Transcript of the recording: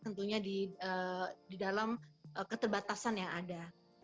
tentunya di dalam keterbatasan yang ada